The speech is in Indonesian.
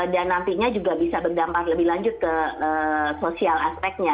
dan nantinya juga bisa berdampak lebih lanjut ke sosial aspeknya